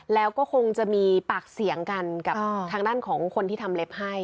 แล้วก็คงจะมีปากเสียงกันกับทางด้านของคนที่ทำเล็บให้